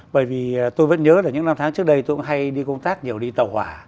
bởi vì tôi vẫn nhớ là những năm tháng trước đây tôi cũng hay đi công tác nhiều đi tàu hỏa